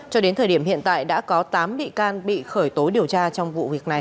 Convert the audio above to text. cho đến thời điểm hiện tại đã có tám bị can bị khởi tố điều tra trong vụ việc này